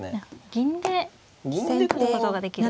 銀で取ることができる。